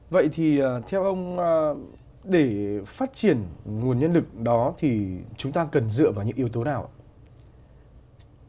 vậy thì theo ông để phát triển nguồn nhân lực đó thì chúng ta cần dựa vào những yếu tố nào ạ